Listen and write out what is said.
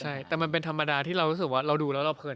ใช่แต่มันเป็นธรรมดาที่เรารู้สึกว่าเราดูแล้วเราเพลิน